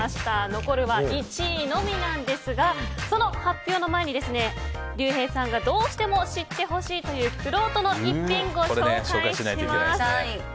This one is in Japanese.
残るは１位のみなんですがその発表の前に、竜平さんがどうしても知ってほしいというくろうとの逸品をご紹介します。